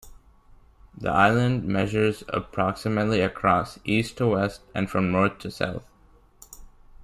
The island measures approximately across, east to west, and from north to south.